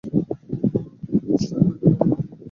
Elvis তার বিড়ালের নাম।